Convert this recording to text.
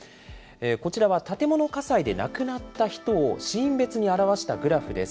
こちらは建物火災で亡くなった人を死因別に表したグラフです。